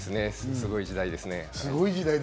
すごい時代です